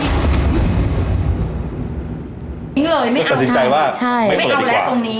ก็กระสินใจว่าไม่เอาและตรงนี้